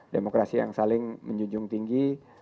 demokrasi yang saling menjunjung tinggi